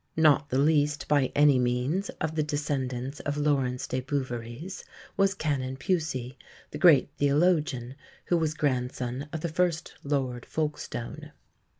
Not the least, by any means, of the descendants of Laurence des Bouveries was Canon Pusey, the great theologian, who was grandson of the first Lord Folkestone.